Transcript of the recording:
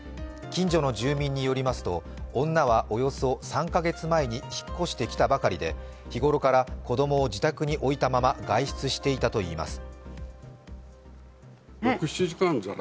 近所の住民によりますと女はおよそ３カ月前に引っ越してきたばかりで日頃から子供を自宅に置いたまま外出していたといいます。